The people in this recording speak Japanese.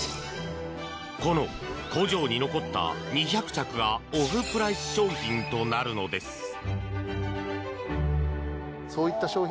この工場に残った２００着がオフプライス商品となるのです。